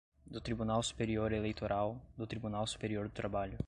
do Tribunal Superior Eleitoral, do Tribunal Superior do Trabalho